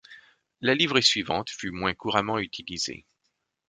La livrée suivante fut moins couramment utilisée.